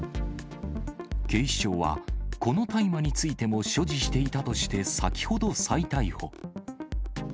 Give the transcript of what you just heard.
警視庁は、この大麻についても所持していたとして、先ほど再逮捕。